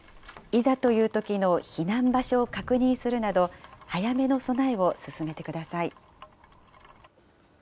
いざというときの避難場所を確認するなど、早めの備えを進めてください。